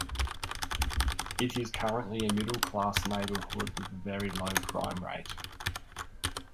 It is currently a middle-class neighborhood with a very low crime rate.